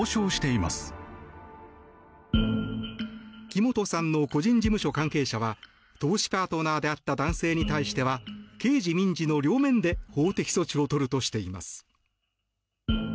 木本さんの個人事務所関係者は投資パートナーであった男性に対しては刑事・民事の両面で法的措置を取るとしています。